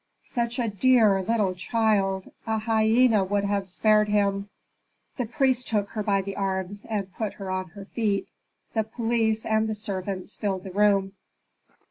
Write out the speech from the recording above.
Such a dear, little child! A hyena would have spared him " The high priest took her by the arms, and put her on her feet. The police and the servants filled the room.